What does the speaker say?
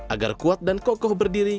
agar kuat dan kokoh berdiri